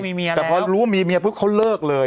แต่พอรู้ว่ามีเมียเพิ่งเขาเลิกเลย